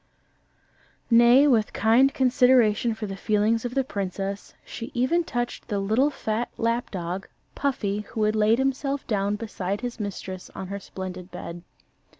Nay, with kind consideration for the feelings of the princess, she even touched the little fat lap dog, Puffy, who had laid himself down beside his mistress on her splendid bed.